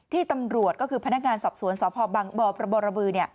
ที่ตำรวจก็คือพนักงานสอบสวนสพบังบประบรบือ